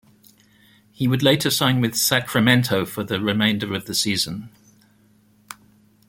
He would later sign with Sacramento for the remainder of the season.